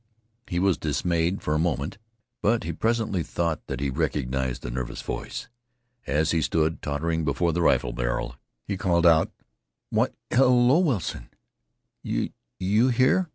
He was dismayed for a moment, but he presently thought that he recognized the nervous voice. As he stood tottering before the rifle barrel, he called out: "Why, hello, Wilson, you you here?"